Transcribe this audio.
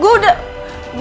gue udah kehilang